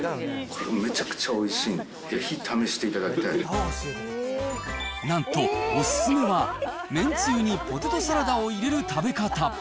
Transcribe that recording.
めちゃくちゃおいしいんで、ぜひなんと、お勧めは、めんつゆにポテトサラダを入れる食べ方。